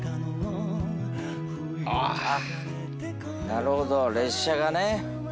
「なるほど列車がね」